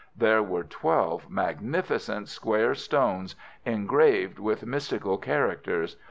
There were twelve magnificent square stones engraved with mystical characters.